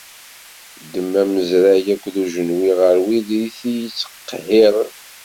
Ddem amezrag akked ujenwi ɣer wid i iyi-ittqehhiren!